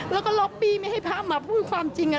แล้วก็ล็อปปี้ไม่ให้พระมาพูดความจริง